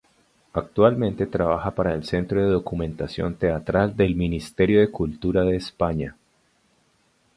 Actualmente trabaja para el Centro de Documentación Teatral del Ministerio de Cultura de España.